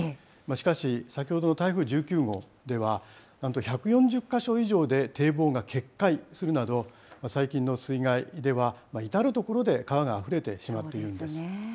しかし、先ほどの台風１９号では、なんと１４０か所以上で堤防が決壊するなど、最近の水害では至る所で川があふれてしまっているんです。